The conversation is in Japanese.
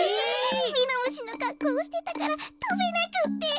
ミノムシのかっこうをしてたからとべなくって。